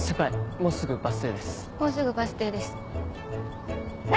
もうすぐバス停です。